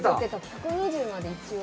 １２０まで一応。